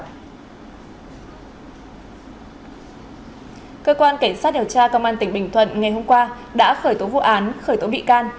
cơ quan cảnh sát điều tra công an tỉnh bình thuận ngày hôm qua đã khởi tố vụ án khởi tố bị can